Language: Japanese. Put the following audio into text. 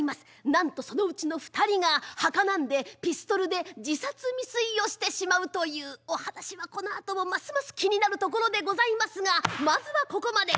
なんとそのうちの２人がはかなんでピストルで自殺未遂をしてしまうというお話はこのあともますます気になるところでございますがまずはここまで。